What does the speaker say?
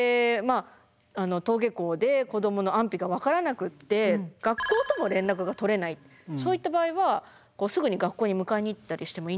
登下校で子どもの安否が分からなくて学校とも連絡が取れないそういった場合はすぐに学校に迎えに行ったりしてもいいんですか？